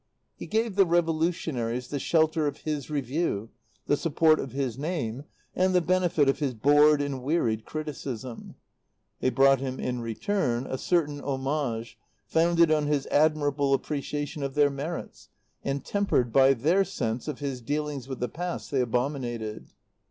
He gave the revolutionaries the shelter of his Review, the support of his name, and the benefit of his bored and wearied criticism. They brought him in return a certain homage founded on his admirable appreciation of their merits and tempered by their sense of his dealings with the past they abominated.